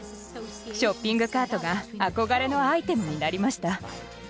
ショッピングカートが憧れのアイテムになりました。